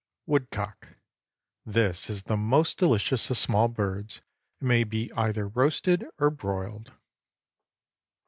WOODCOCK. This is the most delicious of small birds, and may be either roasted or broiled.